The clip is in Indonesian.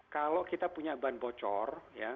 kalau kita punya ban bocor